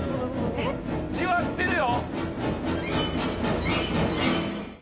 じわってるよ！